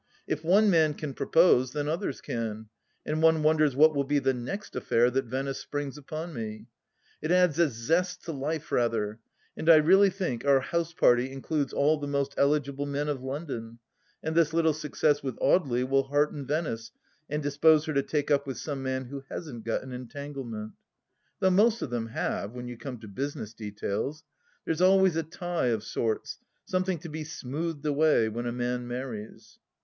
If one man can propose, then others can, and one wonders what will be the next affair that Venice springs upon me ? It adds a zest to life rather, and I really think our house party includes all the most eligible men of London, and this little success with Audely will hearten Venice and dispose her to take up with some man who hasn't got an entanglement. Though most of them have, when you come to business details. There's always a tie — of sorts — something to be smoothed away, when a man marries.